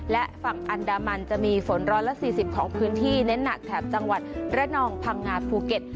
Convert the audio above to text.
และฝั่งอันดามันจะมีฝน๑๔๐ของพื้นที่เน้นหนักแถบจังหวัดระนองพังงาภูเก็ต